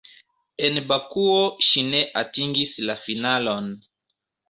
En Bakuo ŝi ne atingis la finalon.